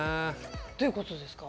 どういうことですか？